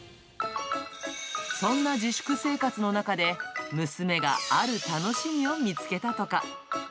そんな自粛生活の中で、娘が、ある楽しみを見つけたとか。